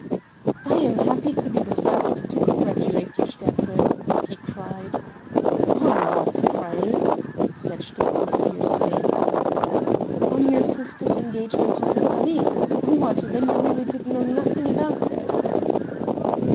"I am happy to be the first to congratulate you, Sterzl," he cried. "On what pray?" said Sterzl fiercely. "On your sister's engagement to Sempaly what! then you really did know nothing about it?"